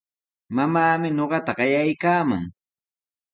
Mamaami ñuqata qayaykaaman.